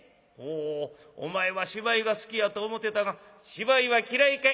「おおお前は芝居が好きやと思てたが芝居は嫌いか」。